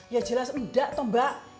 ya jelas enggak tuh mbak